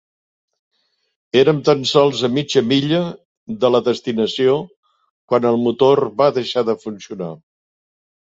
Érem tan sols a mitja milla de la destinació quan el motor va deixar de funcionar.